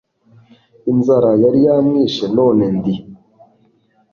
inzara yari yaramwishe, none ndi